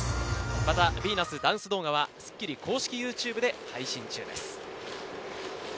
またヴィーナスダンス動画はスッキリ公式ＹｏｕＴｕｂｅで配信中です。